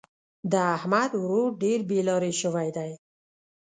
د احمد ورور ډېر بې لارې شوی دی.